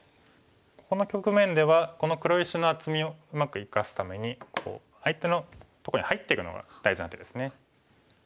この局面ではこの黒石の厚みをうまく生かすためにこう相手のとこに入っていくのが大事な手ですね。